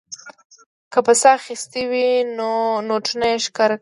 که په څه اخیستې وې نوټونه یې ښکاره کول.